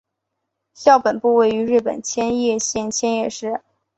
校本部位于日本千叶县千叶市。